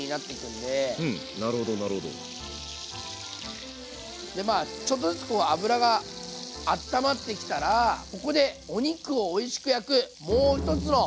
でまあちょっとずつ油があったまってきたらここでお肉をおいしく焼くもう一つのポイント